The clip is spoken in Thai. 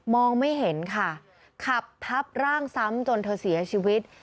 มองไม่เห็นขับทับร่างซ้ำจนแค่สีขาชีวิต